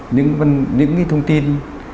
những thông tin